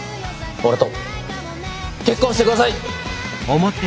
俺と結婚して下さい！